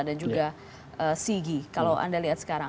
dan juga sigi kalau anda lihat sekarang